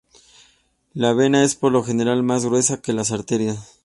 La vena es por lo general más gruesa que las arterias.